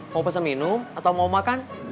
mau pesan minum atau mau makan